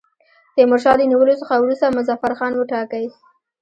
تیمورشاه له نیولو څخه وروسته مظفرخان وټاکی.